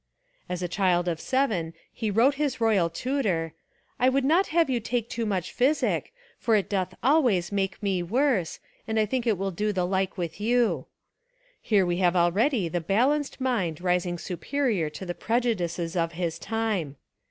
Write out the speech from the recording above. As a child of seven he wrote his royal tutor, "I would not have you take too much Phisik, for it doth alwaies make me worse, and I think it will do the like with you." Here we have already the balanced mind rising superior to the prejudices of his time.